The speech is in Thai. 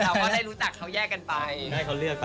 ก็ได้รู้จักเขาแยกกันไป